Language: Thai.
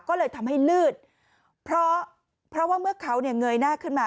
ก็เลยทำให้ลืดเพราะว่าเมื่อเขาเงยหน้าขึ้นมา